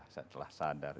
saya telah sadar